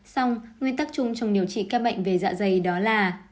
xong nguyên tắc chung trong điều trị các bệnh về dạ dày đó là